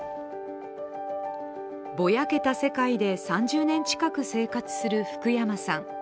ぼやけた世界で３０年近く生活する福山さん。